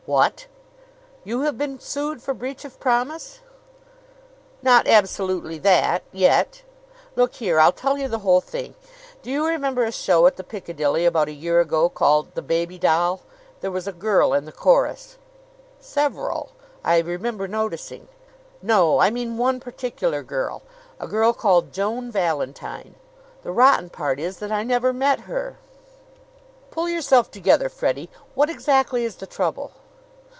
"What! You have been sued for breach of promise?" "Not absolutely that yet. Look here; I'll tell you the whole thing. Do you remember a show at the Piccadilly about a year ago called "The Baby Doll"? There was a girl in the chorus." "Several I remember noticing." "No; I mean one particular girl a girl called Joan Valentine. The rotten part is that I never met her." "Pull yourself together, Freddie. What exactly is the trouble?"